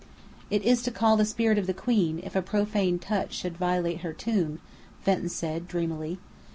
"It is to call the spirit of the queen, if a profane touch should violate her tomb," Fenton said, dreamily.